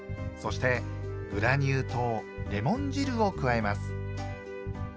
そしてグラニュー糖レモン汁を加えます。